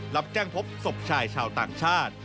รับแจ้งพบศพชายชาวต่างชาติ